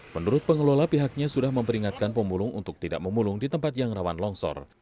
menurut pengelola pihaknya sudah memperingatkan pemulung untuk tidak memulung di tempat yang rawan longsor